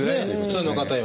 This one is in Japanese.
普通の方より。